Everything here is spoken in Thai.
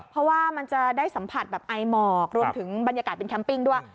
เพราะว่ามันจะได้สัมผัสแบบไอหมอกรวมถึงบรรยากาศเป็นแคมปิ้งด้วย